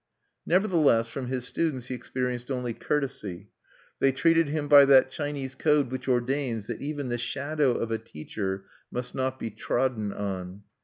Nevertheless, from his students he experienced only courtesy: they treated him by that Chinese code which ordains that "even the shadow of a teacher must not be trodden on."